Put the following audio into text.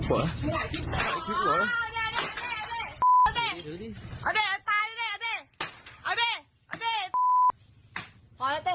ก็ได้พลังเท่าไหร่ครับ